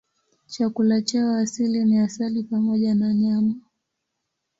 Chakula chao asili ni asali pamoja na nyama.